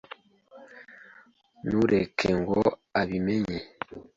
Ntureke ngo abimenye.